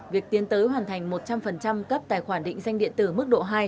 việc tiến tới hoàn thành một trăm linh cấp tài khoản định danh điện tử mức độ hai